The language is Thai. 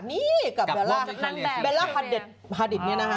นี่กับเบลล่าฮารดิต